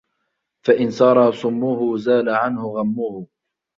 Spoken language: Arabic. فَإِنْ سَرَى سُمُّهُ زَالَ عَنْهُ غَمُّهُ